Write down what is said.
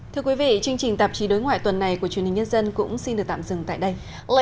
thưa quý vị chương trình tạp chí đối ngoại tuần này của truyền hình nhân dân cũng xin được tạm dừng tại đây